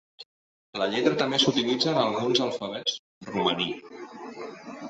La lletra també s'utilitza en alguns alfabets romaní.